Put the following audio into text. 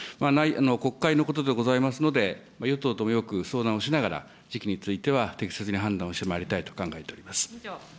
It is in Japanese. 国会のことでございますので、与党ともよく相談をしながら、時期については適切に判断をしてまいりたいと考えております。